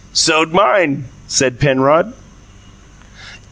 "So'd mine," said Penrod.